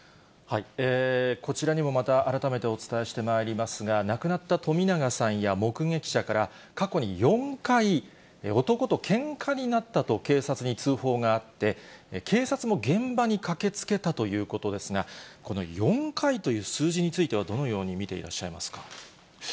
こちらにもまた改めてお伝えしてまいりますが、亡くなった冨永さんや目撃者から、過去に４回、男とけんかになったと、警察に通報があって、警察も現場に駆けつけたということですが、この４回という数字については、どのように見ていらっしゃいますか？